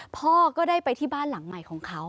พ่อก็ได้ไปที่บ้านหลังใหม่ของเขา